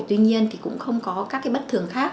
tuy nhiên cũng không có các bất thường khác